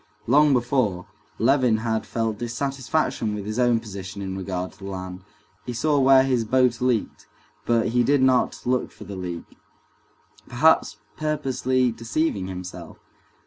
Long before, Levin had felt dissatisfaction with his own position in regard to the land. He saw where his boat leaked, but he did not look for the leak, perhaps purposely deceiving himself.